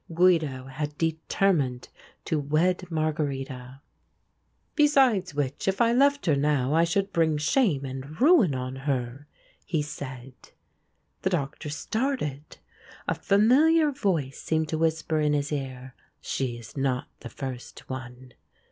Guido had determined to wed Margherita. "Besides which, if I left her now, I should bring shame and ruin on her," he said. The Doctor started a familiar voice seemed to whisper in his ear: "She is not the first one."